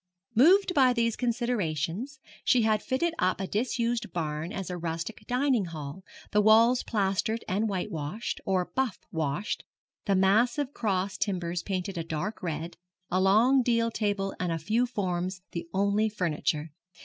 Moved by these considerations, she had fitted up a disused barn as a rustic dining hall, the walls plastered and whitewashed, or buff washed, the massive cross timbers painted a dark red, a long deal table and a few forms the only furniture.